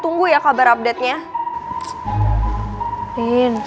enggak ya jodoh aku tari